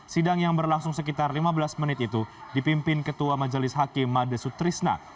sidang yang berlangsung sekitar lima belas menit itu dipimpin ketua majelis hakim made sutrisna